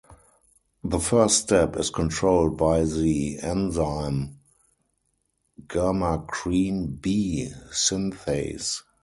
The first step is controlled by the enzyme germacrene B synthase.